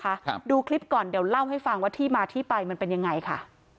ครับดูคลิปก่อนเดี๋ยวเล่าให้ฟังว่าที่มาที่ไปมันเป็นยังไงค่ะ